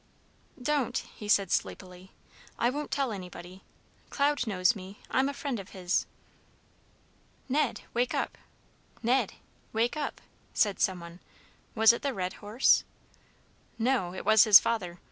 "Don't!" he said sleepily. "I won't tell anybody. Cloud knows me. I'm a friend of his." "Ned! wake up! Ned! wake up!" said some one. Was it the red horse? No, it was his father.